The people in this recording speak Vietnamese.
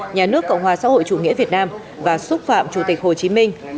nhà nước cộng hòa xã hội chủ nghĩa việt nam và xúc phạm chủ tịch hồ chí minh